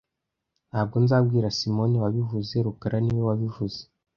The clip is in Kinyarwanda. Ntabwo nzabwira Simoni wabivuze rukara niwe wabivuze